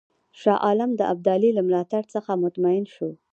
شاه عالم د ابدالي له ملاتړ څخه مطمئن شو.